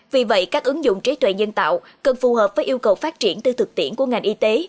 vì vậy các ứng dụng trí tuệ nhân tạo cần phù hợp với yêu cầu phát triển tư thực tiễn của ngành y tế